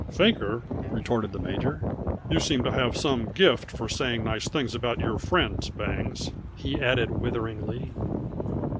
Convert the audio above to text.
"Faker?" retorted the major. "You seem to have some gift for saying nice things about your friends, Bangs," he added witheringly.